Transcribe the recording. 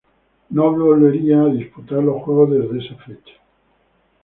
No volverían a disputar los Juegos desde esa fecha.